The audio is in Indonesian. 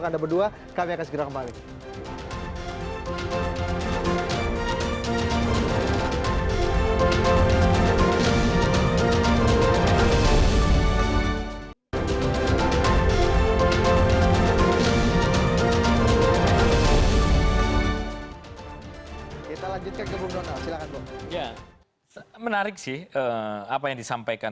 ketua dom bimina aja gimana